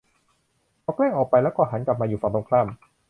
เขาแกล้งออกไปแล้วก็หันกลับมาอยู่ฝั่งตรงข้าม